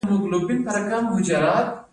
د غوښې د پاکوالي لپاره باید څه شی وکاروم؟